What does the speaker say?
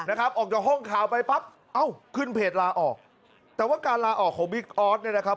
นะครับออกจากห้องข่าวไปปั๊บเอ้าขึ้นเพจลาออกแต่ว่าการลาออกของบิ๊กออสเนี่ยนะครับ